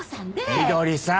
みどりさん！